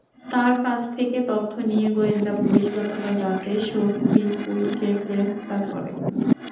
তাঁর কাছ থেকে তথ্য নিয়ে গোয়েন্দা পুলিশ গতকাল রাতে শফিকুলকে গ্রেপ্তার করে।